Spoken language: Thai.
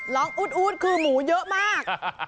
ร้องอุ๊ดคือหมูเยอะมาก